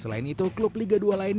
selain itu klub liga dua lainnya